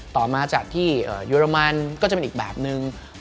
ต่อมาจากที่เยอรมันก็จะเป็นอีกแบบนึง